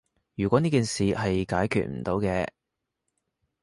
如果呢件事係解決唔到嘅